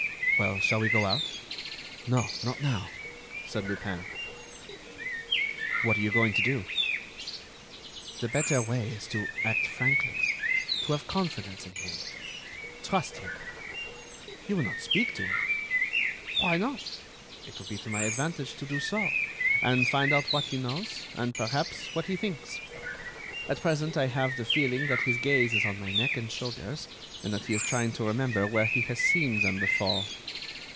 "Well, shall we go out?" "No, not now," said Lupin. "What are you going to do?" "The better way is to act frankly ... to have confidence in him—trust him...." "You will not speak to him?" "Why not? It will be to my advantage to do so, and find out what he knows, and, perhaps, what he thinks. At present I have the feeling that his gaze is on my neck and shoulders, and that he is trying to remember where he has seen them before."